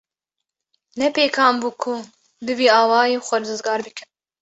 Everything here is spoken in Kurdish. Ne pêkan bû ku bi vî awayî xwe rizgar bikin.